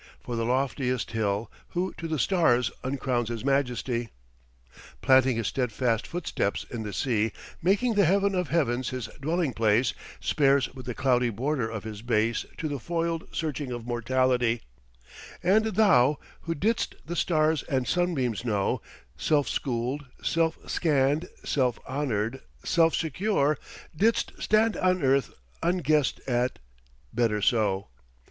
For the loftiest hill Who to the stars uncrowns his majesty, Planting his steadfast footsteps in the sea, Making the heaven of heavens his dwelling place, Spares but the cloudy border of his base To the foil'd searching of mortality; And thou, who didst the stars and sunbeams know, Self school'd, self scann'd, self honour'd, self secure, Didst stand on earth unguess'd at Better so!